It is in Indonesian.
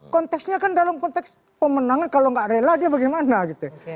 konteksnya kan dalam konteks pemenangan kalau nggak rela dia bagaimana gitu